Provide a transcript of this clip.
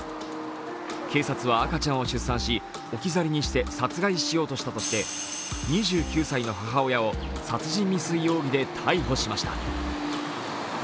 警察は赤ちゃんを出産し、置き去りにして殺害しようとしたとして２９歳の母親を殺人未遂容疑で逮捕しました。